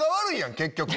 結局。